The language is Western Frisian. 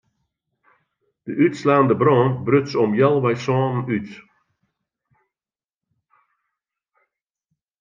De útslaande brân bruts om healwei sânen út.